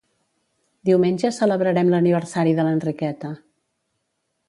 Diumenge celebrarem l'aniversari de l'Enriqueta